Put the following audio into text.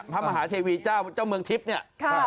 พระมหาเทวีเจ้าเมืองทริปเนี่ย